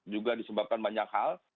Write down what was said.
juga disebabkan banyak hal